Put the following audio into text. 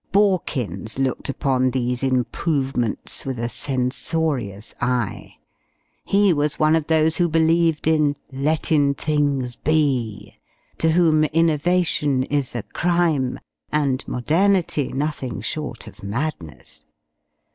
Borkins looked upon these improvements with a censorious eye. He was one of those who believed in "lettin' things be"; to whom innovation is a crime, and modernity nothing short of madness.